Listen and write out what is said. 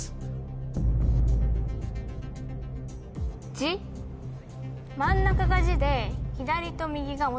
「ジ」真ん中が「ジ」で左と右が。